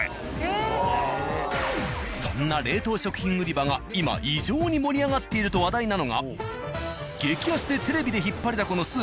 そんな冷凍食品売り場が今異常に盛り上がっていると話題なのが。